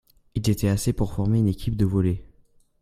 Ils étaient assez pour former une équipe de volley.